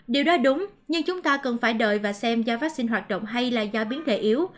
điều đó đúng nhưng chúng ta cần phải đợi và xem do vaccine hoạt động hay là do biến thể yếu